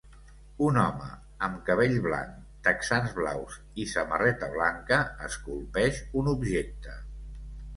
Un home amb cabell blanc, texans blaus i samarreta blanca esculpeix un objecte.